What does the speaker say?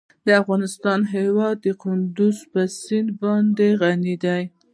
د افغانستان هیواد په کندز سیند باندې غني دی.